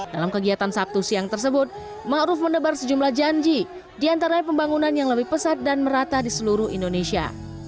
dalam kegiatan sabtu siang tersebut ma'ruf mendebar sejumlah janji di antara pembangunan yang lebih pesat dan merata di seluruh indonesia